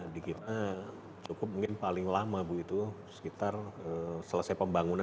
dikit cukup mungkin paling lama bu itu sekitar selesai pembangunan